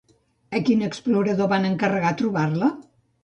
A quin explorador van encarregar trobar-la?